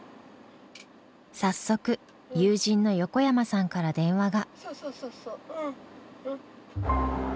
早速友人の横山さんから電話が。